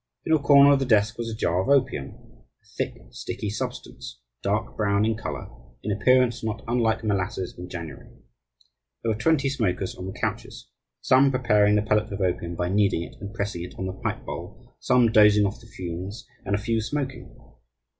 In a corner of the desk was a jar of opium, a thick, sticky substance, dark brown in colour, in appearance not unlike molasses in January. There were twenty smokers on the couches, some preparing the pellet of opium by kneading it and pressing it on the pipe bowl, some dozing off the fumes, and a few smoking.